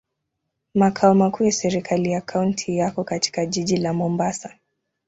Makao makuu ya serikali ya kaunti yako katika jiji la Mombasa.